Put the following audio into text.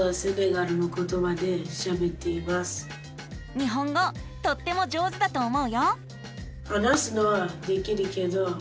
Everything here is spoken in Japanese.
日本語とっても上手だと思うよ。